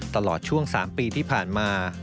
ตลอดช่วง๓ปีที่ผ่านมา